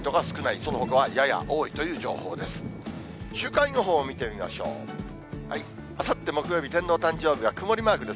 そのほかはやや多いという情報です。